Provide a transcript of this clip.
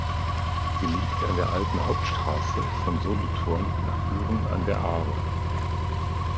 Sie liegt an der alten Hauptstrasse von Solothurn nach Büren an der Aare.